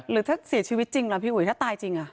หรือถ้าเสียชีวิตจริงล่ะพี่อุ๋ยถ้าตายจริง